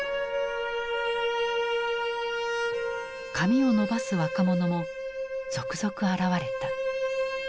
髪を伸ばす若者も続々現れた。